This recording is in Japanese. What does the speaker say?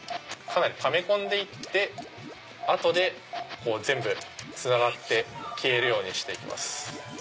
かなりため込んで行ってあとで全部つながって消えるようにして行きます。